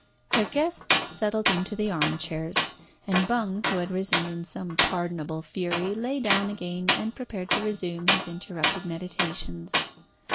Her guests settled into the arm chairs, and Bung, who had risen in some pardonable fury, lay down again and prepared to resume his interrupted meditations.